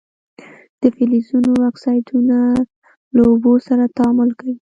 د فلزونو اکسایدونه له اوبو سره تعامل کوي.